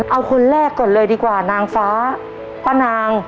เอาคนแรกก่อนเลยดีกว่านางฟ้าป้านาง